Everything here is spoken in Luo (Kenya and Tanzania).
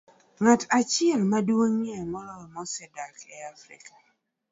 Ng'at achiel maduong'ie moloyo mosedak e Afrika